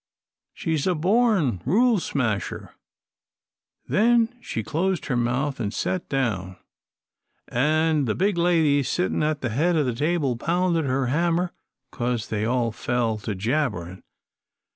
She's a born rule smasher!' "Then she closed her mouth an' set down, an' the big lady sittin' at the head o' the table pounded her hammer 'cause they all fell to jabberin'.